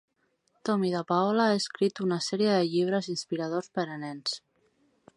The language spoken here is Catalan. Tomie dePaola ha escrit una sèrie de llibres inspiradors per a nens.